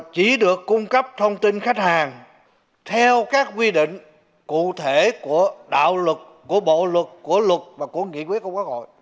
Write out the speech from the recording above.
chỉ được cung cấp thông tin khách hàng theo các quy định cụ thể của đạo luật của bộ luật của luật và của nghị quyết của quốc hội